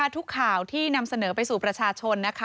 ทุกข่าวที่นำเสนอไปสู่ประชาชนนะคะ